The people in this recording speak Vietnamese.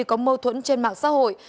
có mâu thuẫn trên mạng xã hội